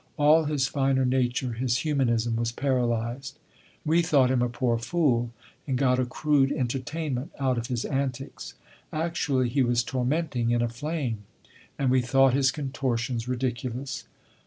All his finer nature, his humanism, was paralysed. We thought him a poor fool, and got a crude entertainment out of his antics. Actually he was tormenting in a flame; and we thought his contortions ridiculous.